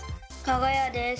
かが屋です。